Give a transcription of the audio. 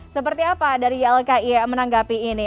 seperti apa dari ylki menanggapi ini